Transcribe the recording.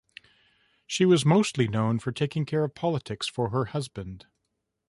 She was mostly known for taking care of politics for her husband.